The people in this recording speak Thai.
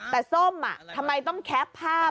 แต่ส้มทำไมต้องแคปภาพ